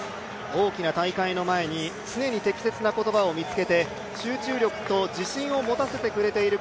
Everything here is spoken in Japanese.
大きな大会の前に常に適切な言葉を見つけて集中力と自信を持たせてくれている